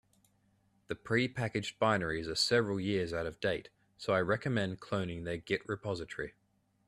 The prepackaged binaries are several years out of date, so I recommend cloning their git repository.